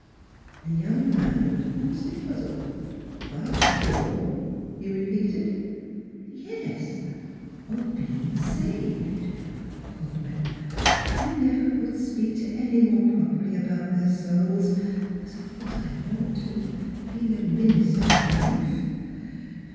The young man looked honestly puzzled. " Quite sure " he repeated. "Yes; of being saved. ... But, oh! I never could speak to any one properly about their souls as of course I ought, being a minister's wife."